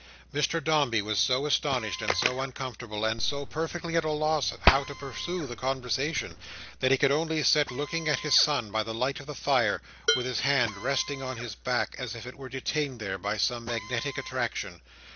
Mr Dombey was so astonished, and so uncomfortable, and so perfectly at a loss how to pursue the conversation, that he could only sit looking at his son by the light of the fire, with his hand resting on his back, as if it were detained there by some magnetic attraction.